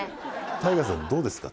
ＴＡＩＧＡさんどうですか？